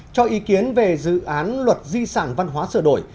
cho ý kiến về dự án luật di sản văn hóa sửa đổi